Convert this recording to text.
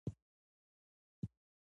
د مېلو له پاره ځانګړي میدانونه ټاکل کېږي.